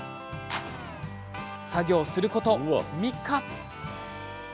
作業すること３日。